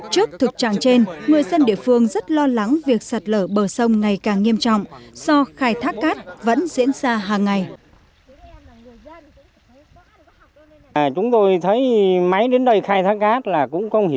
trước thực trạng trên người dân địa phương rất lo lắng việc sạt lở bờ sông ngày càng nghiêm trọng